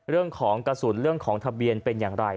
เรื่องของกระสุนเรื่องของทะเบียนเป็นอย่างไร